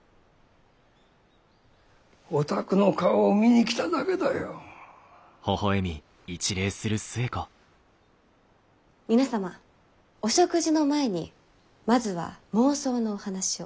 お宅の顔を見に来ただけだよ。皆様お食事の前にまずは妄想のお話を。